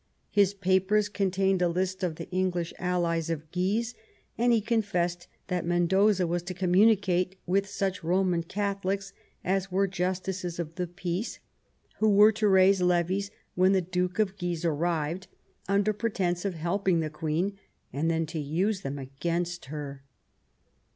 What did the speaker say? His papers contained a list of the English allies of Guise, and he confessed that Mendoza was to communicate with such Roman Catholics as were justices of the peace, who were to raise levies when the Duke of Guise arrived, under pretence of helping the Queen, and then to use them against her.